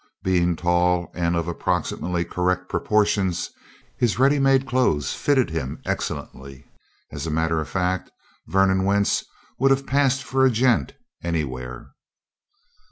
Being tall and of approximately correct proportions, his ready made clothes fitted him excellently as a matter of fact, Vernon Wentz would have passed for a "gent" anywhere.